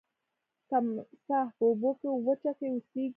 تمساح په اوبو او وچه کې اوسیږي